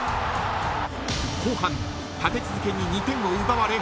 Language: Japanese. ［後半立て続けに２点を奪われ］